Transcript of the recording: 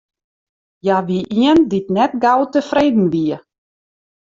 Hja wie ien dy't net gau tefreden wie.